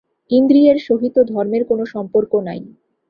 ইন্দ্রিয়ের সহিত ধর্মের কোন সম্পর্ক নাই।